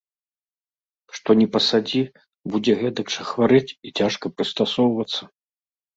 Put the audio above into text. Што ні пасадзі, будзе гэтак жа хварэць і цяжка прыстасоўвацца.